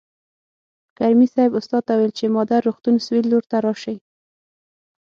کریمي صیب استاد ته وویل چې مادر روغتون سویل لور ته راشئ.